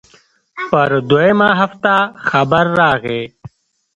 پر دويمه هفته خبر راغى.